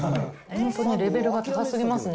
本当にレベルが高すぎますね。